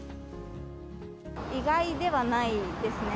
意外ではないですね。